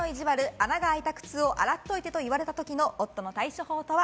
穴が開いた靴を洗っといてと言われた時の夫の対処法とは？